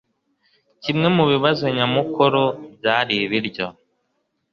Kimwe mubibazo nyamukuru byari ibiryo.